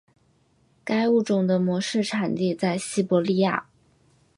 该物种的模式产地在西伯利亚。